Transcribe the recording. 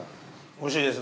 おいしいです